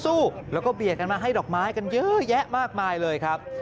สู้แล้วก็เบียดกันมาให้ดอกไม้กันเยอะแยะมากมายเลยครับ